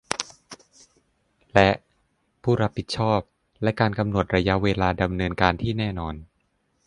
และ ผู้รับผิดชอบ และการกำหนดระยะเวลาการดำเนินการที่แน่นอน